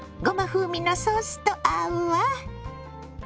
ごま風味のソースと合うわ。